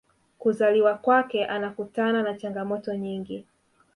kuzaliwa kwake anakutana na changamoto nyingi